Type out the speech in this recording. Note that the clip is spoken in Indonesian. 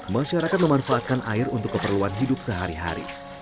masyarakat memanfaatkan air untuk keperluan hidup sehari hari